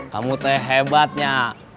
kamu teh hebatnya